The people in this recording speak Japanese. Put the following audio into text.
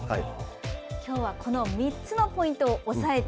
今日はこの３つのポイントを押さえて。